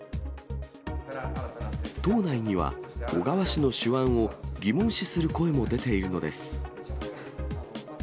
党内には、小川氏の手腕を疑問視する声も出ているのです。